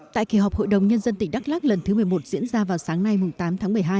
tại kỳ họp hội đồng nhân dân tỉnh đắk lắc lần thứ một mươi một diễn ra vào sáng nay tám tháng một mươi hai